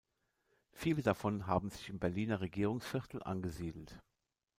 Viele davon haben sich im Berliner Regierungsviertel angesiedelt.